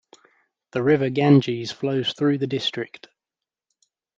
The river Ganges flows through the district.